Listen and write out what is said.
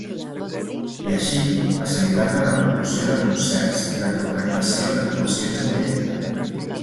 I així facilitar-ne la producció de concerts i la contractació d'actuacions en directe.